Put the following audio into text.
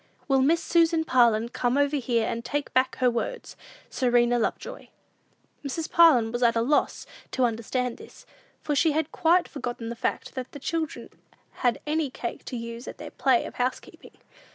Will Miss Susan Parlin come over here, and take back her words? "SERENA LOVEJOY." Mrs. Parlin was at a loss to understand this, for she had quite forgotten the fact, that the children had any cake to use at their play of housekeeping.